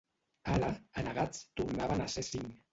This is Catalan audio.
Ara, Anegats tornaven a ser cinc.